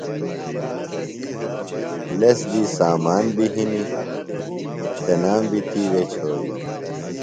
لس دی سامان بیۡ ہنِیۡ، تنام بیۡ تِیوے چھوریۡ